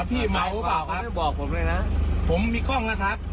พี่เมาหรือเปล่าครับไม่บอกผมเลยนะผมมีกล้องนะครับ